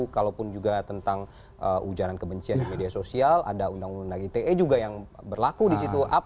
kalaupun juga tentang ujaran kebencian di media sosial ada undang undang ite juga yang berlaku di situ